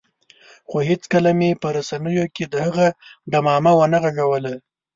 خو هېڅکله مې په رسنیو کې د هغه ډمامه ونه غږوله.